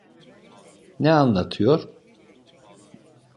Ne anlatıyor?